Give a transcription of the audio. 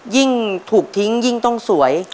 ยิ่งถูกทิ้งยิ่งต้องสวย